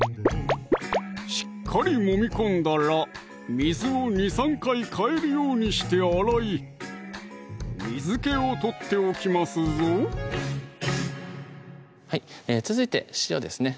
しっかりもみ込んだら水を２３回替えるようにして洗い水気を取っておきますぞ続いて塩ですね